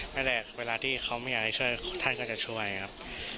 นั่นแหละเวลาที่เขาไม่อยากจะช่วยท่านก็จะช่วยครับ